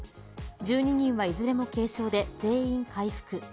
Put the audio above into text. １２人はいずれも軽症で全員回復。